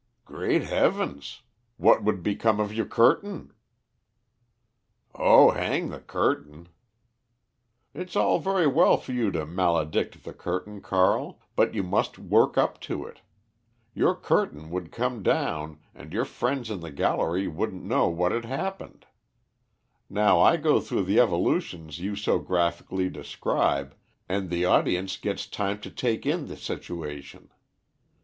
"Great heavens! What would become of your curtain?" "Oh, hang the curtain!" "It's all very well for you to maledict the curtain, Carl, but you must work up to it. Your curtain would come down, and your friends in the gallery wouldn't know what had happened. Now I go through the evolutions you so graphically describe, and the audience gets time to take in the situation.